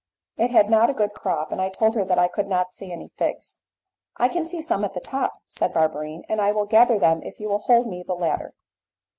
It had not a good crop, and I told her that I could not see any figs. "I can see some at the top," said Barberine, "and I will gather them if you will hold me the ladder."